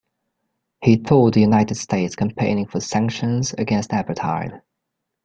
He toured the United States campaigning for sanctions against apartheid.